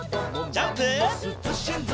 ジャンプ！